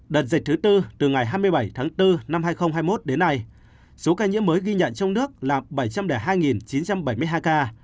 đợt dịch thứ tư từ ngày hai mươi bảy tháng bốn năm hai nghìn hai mươi một đến nay số ca nhiễm mới ghi nhận trong nước là bảy trăm linh hai chín trăm bảy mươi hai ca